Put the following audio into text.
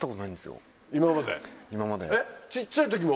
小っちゃい時も？